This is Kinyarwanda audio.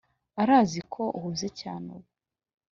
arazi ko uhuze cyane ubu,